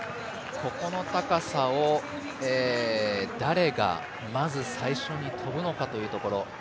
ここの高さを誰がまず最初に跳ぶのかというところ。